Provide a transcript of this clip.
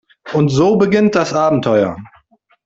Und so beginnt das Abenteuer.